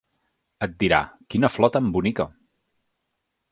Et dirà: Quina flor tan bonica!